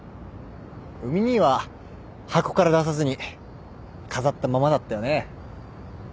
海兄は箱から出さずに飾ったままだったよね。